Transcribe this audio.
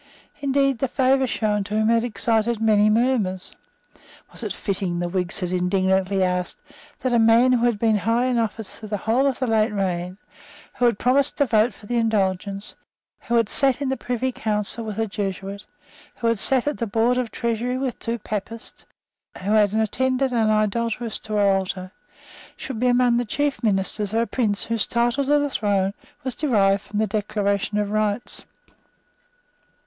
Indeed the favour shown to him had excited many murmurs. Was it fitting, the Whigs had indignantly asked, that a man who had been high in office through the whole of the late reign, who had promised to vote for the Indulgence, who had sate in the Privy Council with a Jesuit, who had sate at the Board of Treasury with two Papists, who had attended an idolatress to her altar, should be among the chief ministers of a Prince whose title to the throne was derived from the Declaration of Rights?